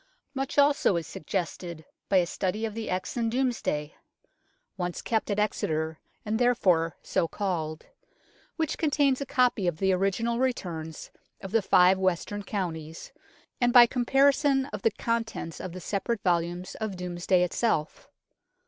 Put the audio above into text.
Much also is suggested by a study of the Exon Domesday (once kept at Exeter, and therefore so called) which contains a copy of the original returns of the five western counties, and by comparison of the contents of the separate volumes of Domesday itself.